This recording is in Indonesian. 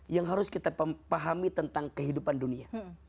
yang harus kita pahami tentang kehidupan dunia